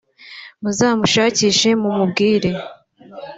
muzamushakishe mumumbwire